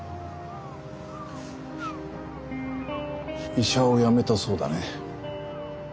医者をやめたそうだね。